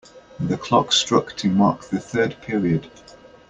The clock struck to mark the third period.